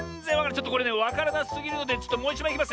ちょっとこれねわからなすぎるのでちょっともういちまいいきますよ。